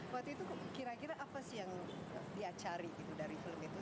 waktu itu kira kira apa sih yang dia cari gitu dari film itu